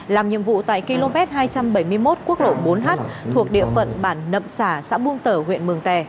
làm nhiệm vụ tại km hai trăm bảy mươi một quốc lộ bốn h thuộc địa phận bản nậm xả xã buôn tở huyện mường tè